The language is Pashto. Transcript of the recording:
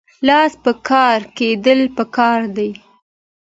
لاس په کار کیدل پکار دي